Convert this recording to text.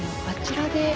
あちらで。